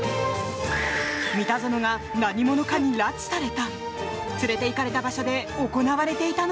三田園が何者かに拉致された。